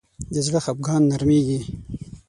د زړه خفګان نرمېږي